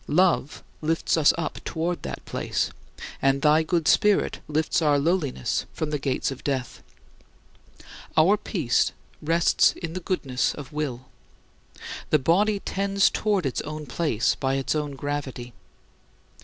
Love lifts us up toward that place, and thy good Spirit lifts our lowliness from the gates of death. Our peace rests in the goodness of will. The body tends toward its own place by its own gravity.